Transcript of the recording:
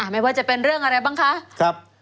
ไม่ว่าจะเป็นเรื่องอะไรบ้างคะ